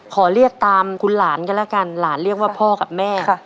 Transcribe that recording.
ขอเรียกตามคุณหลานกันแล้วกันหลานเรียกว่าพ่อกับแม่